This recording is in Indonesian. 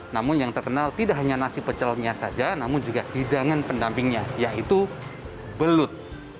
namun yang terkenal tidak hanya nasi pecelnya saja namun juga hidangan pendampingnya yaitu belut